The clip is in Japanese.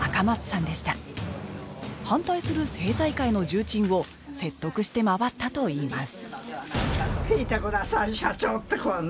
反対する政財界の重鎮を説得して回ったといいます